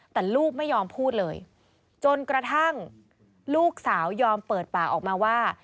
แต่ลูกไม่ยอมพูดเลยจนกระทั่งลูกสาวยอมเปิดปากออกมาว่า